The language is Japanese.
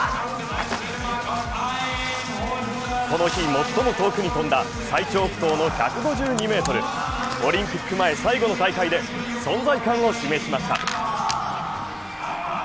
この日、最も遠くに飛んだ最長不倒の１５２ｍ、オリンピック前、最後の大会で存在感を示しました。